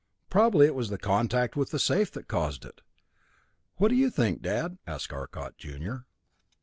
Probably it was the contact with the safe that caused it. What do you think, Dad?" asked Arcot, junior.